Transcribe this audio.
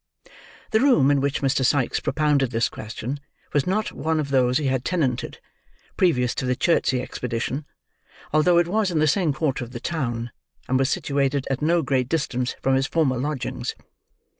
The room in which Mr. Sikes propounded this question, was not one of those he had tenanted, previous to the Chertsey expedition, although it was in the same quarter of the town, and was situated at no great distance from his former lodgings.